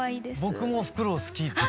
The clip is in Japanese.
僕もフクロウ好きです。